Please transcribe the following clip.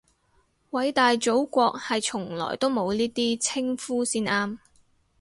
偉大祖國係從來都冇呢啲稱呼先啱